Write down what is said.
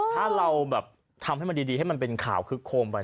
ถ้าเราแบบทำให้มันดีให้มันเป็นข่าวคึกโคมไป